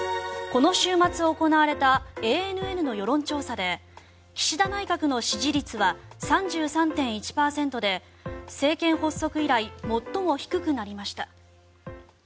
この週末行われたＡＮＮの世論調査で岸田内閣の支持率は３３．１％で政権発足以来最も低くなりました。